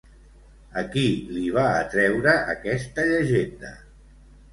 A qui li va atreure aquesta llegenda?